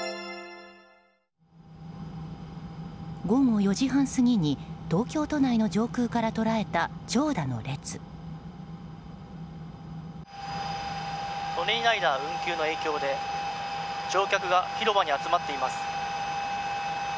午後４時半過ぎに東京都内の上空から捉えた舎人ライナー運休の影響で乗客が広場に集まっています。